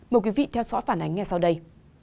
mời quý vị theo dõi phản ánh ngay sau đây